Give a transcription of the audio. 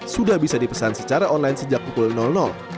sudah bisa dipesan secara online sejak pukul